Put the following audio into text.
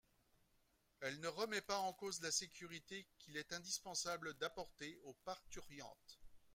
Elle ne remet pas en cause la sécurité qu’il est indispensable d’apporter aux parturientes.